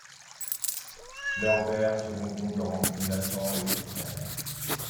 Leurs vers seront grondants, menaçants et suprêmes ;